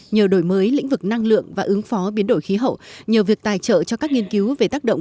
nhờ đổi mới lĩnh vực năng lượng và ứng phó biến đổi khí hậu nhờ việc tài trợ cho các nghiên cứu về tác động